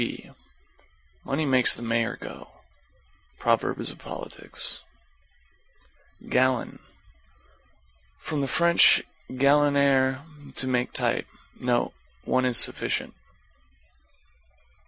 G Money makes the mayor go. Proverbs of Politics. =GALLON= From the Fr. galonner, to make tight. Note, one is sufficient.